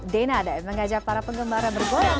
dena day mengajak para penggemar bergolong